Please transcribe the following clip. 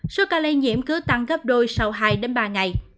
số ca lây nhiễm cứ tăng gấp đôi sau hai đến ba ngày